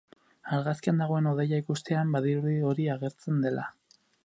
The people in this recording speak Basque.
Argazkian dagoen hodeia ikustean, badirudi hori agertzen dela.